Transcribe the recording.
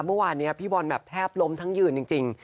เมื่อวานนี้พี่บอลแบบแทบล้มทั้งยืนจริง